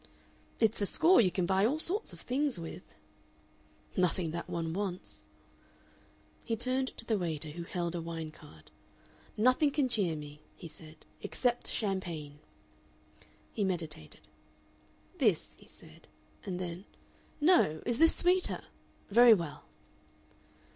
"It's a score you can buy all sorts of things with." "Nothing that one wants." He turned to the waiter, who held a wine card. "Nothing can cheer me," he said, "except champagne." He meditated. "This," he said, and then: "No! Is this sweeter? Very well."